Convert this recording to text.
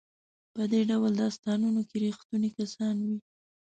په دې ډول داستانونو کې ریښتوني کسان وي.